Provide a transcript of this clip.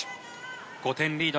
５点リード